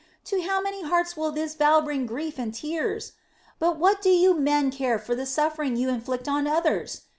To how many hearts this vow will bring grief and tears! But what do you men care for the suffering you inflict on others?